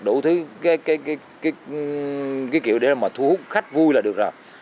đủ thứ cái kiểu để mà thu hút khách vui là được rồi